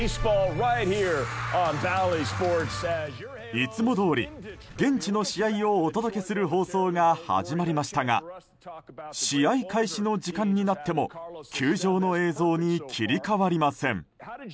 いつもどおり、現地の試合をお届けする放送が始まりましたが試合開始の時間になっても球場の映像に切り替わりません。